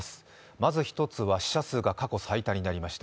まず１つは、死者数が過去最多になりました。